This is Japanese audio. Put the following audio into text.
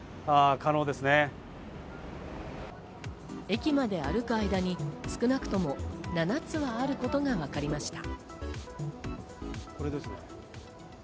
駅まで歩く間に少なくとも７つはあることがわかりました。